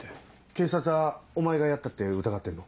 警察はお前がやったって疑ってんの？